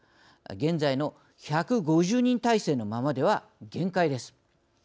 現在の１５０人体制のままでは限界です。